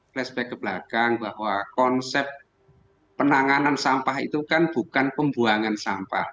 flashback ke belakang bahwa konsep penanganan sampah itu kan bukan pembuangan sampah